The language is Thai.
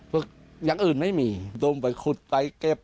เพิ่งอย่างอื่นไม่มีตรงไปขุดไปเก็บ